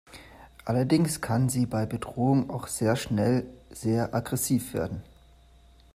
Allerdings kann sie bei Bedrohung auch sehr schnell sehr aggressiv werden.